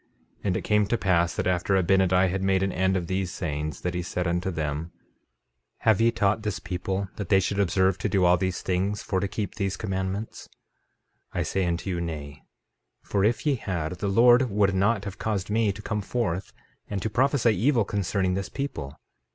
13:25 And it came to pass that after Abinadi had made an end of these sayings that he said unto them: Have ye taught this people that they should observe to do all these things for to keep these commandments? 13:26 I say unto you, Nay; for if ye had, the Lord would not have caused me to come forth and to prophesy evil concerning this people.